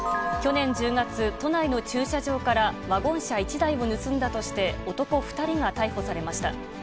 去年１０月、都内の駐車場からワゴン車１台を盗んだとして、男２人が逮捕されました。